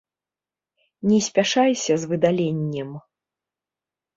Не спяшайся з выдаленнем.